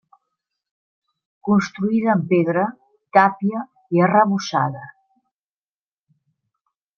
Construïda amb pedra, tàpia i arrebossada.